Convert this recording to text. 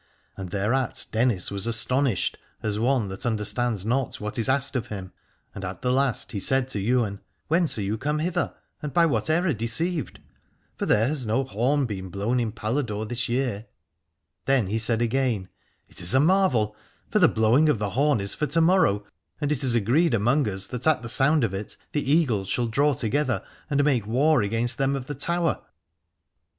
And thereat Dennis was astonished, as one that understands not what is asked of him : and at the last he said to Ywain : Whence are you come hither, and by what error deceived ? For there , has no horn been 334 Aladore blown in Paladore this year. Then he said again : It is a marvel : for the blowing of the horn is for to morrow, and it is agreed among us that at the sound of it the Eagles shall draw together and make war against them of the Tower.